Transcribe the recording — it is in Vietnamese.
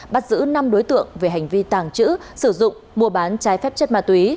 bắt giữ năm đối tượng về hành vi tàng trữ sử dụng mua bán trái phép chất ma túy